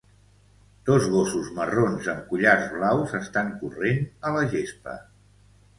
Dos gossos marrons amb collars blaus estan corrent a la gespa